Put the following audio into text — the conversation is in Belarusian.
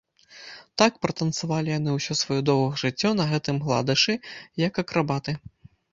Так пратанцавалі яны ўсё сваё доўгае жыццё на гэтым гладышы, як акрабаты.